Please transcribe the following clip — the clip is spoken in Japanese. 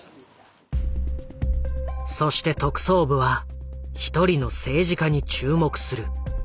そして特捜部は一人の政治家に注目する。